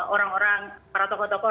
orang orang para tokoh tokoh